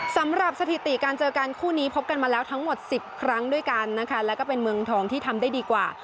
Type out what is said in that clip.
สำหรับสถิติการเจอกันคู่นี้พบกันมาแล้วทั้งหมด๑๐ครั้งด้วยกันนะคะแล้วก็เป็นเมืองทองที่ทำได้ดีกว่า